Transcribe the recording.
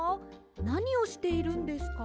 なにをしているんですか？